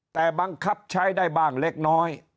แต่บังคับใช้ได้บ้างเล็กน้อย